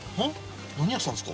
何屋さんですか？